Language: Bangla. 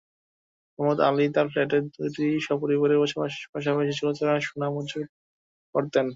মোহাম্মদ আলী তাঁর ফ্ল্যাট দুটিতে সপরিবারে বসবাসের পাশাপাশি চোরাচালানের সোনা মজুত করতেন।